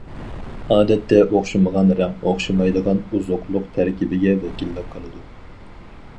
ئادەتتە، ئوخشىمىغان رەڭ ئوخشىمايدىغان ئوزۇقلۇق تەركىبىگە ۋەكىللىك قىلىدۇ.